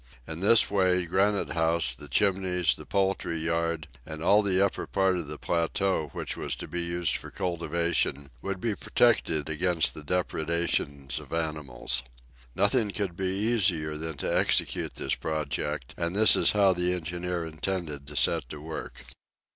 In this way, Granite House, the Chimneys, the poultry yard, and all the upper part of the plateau which was to be used for cultivation, would be protected against the depredations of animals. Nothing could be easier than to execute this project, and this is how the engineer intended to set to work.